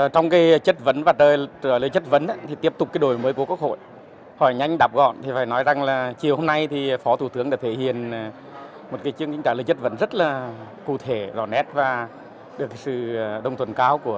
trong cái chất vấn và trả lời chất vấn thì tiếp tục cái đổi mới của quốc hội hỏi nhanh đạp gọn thì phải nói rằng là chiều hôm nay thì phó thủ tướng đã thể hiện một chương trình trả lời chất vấn rất là cụ thể rõ nét và được sự đồng thuận cao của